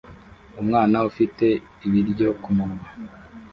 Umwana ufite ibiryo kumunwa